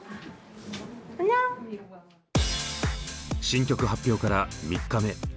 新曲発表から３日目。